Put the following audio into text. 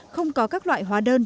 không có các loại hóa đơn